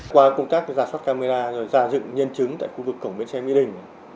qua công tác giả sát camera rồi ra dựng nhân chứng tại khu vực cổng bến xe mỹ đình